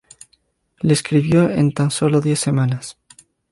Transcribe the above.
La escribió en tan solo diez semanas.